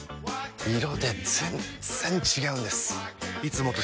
色で全然違うんです！